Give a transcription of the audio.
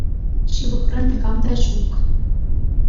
Ҫывӑхра никам та ҫук.